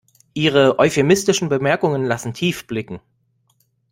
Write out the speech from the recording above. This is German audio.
Ihre euphemistischen Bemerkungen lassen tief blicken.